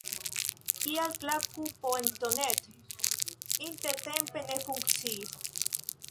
Kial Klaku.net intertempe ne funkciis?